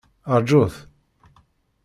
Rǧut!